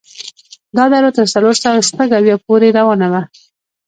دا دوره تر څلور سوه شپږ اویا پورې روانه وه.